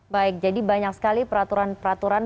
baik jadi banyak sekali peraturan peraturan